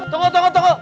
tunggu tunggu tunggu